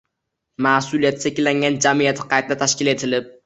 Mas’uliyati cheklangan jamiyat qayta tashkil etilib